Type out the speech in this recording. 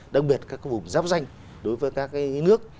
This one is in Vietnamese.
đặc biệt các vùng giáp danh đối với các nước